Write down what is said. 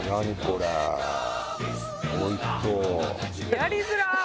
やりづらっ！